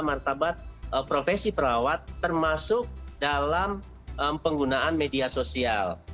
martabat profesi perawat termasuk dalam penggunaan media sosial